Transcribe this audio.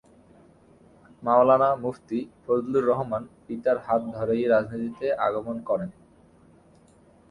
মাওলানা মুফতী ফজলুর রহমান পিতার হাত ধরেই রাজনীতিতে আগমন করেন।